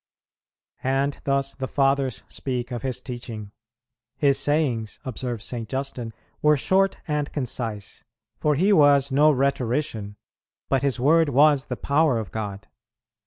"And thus the Fathers speak of His teaching. 'His sayings,' observes St. Justin, 'were short and concise; for He was no rhetorician, but His word was the power of God.'